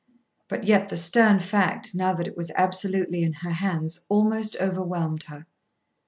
But yet the stern fact, now that it was absolutely in her hands, almost overwhelmed her.